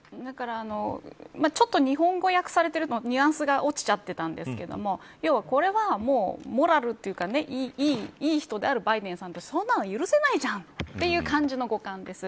ちょっと日本語訳されているのでニュアンスが落ちちゃってたんですがこれはモラルというかいい人であるバイデンさんってそんなの許せないじゃんという感じの語感です。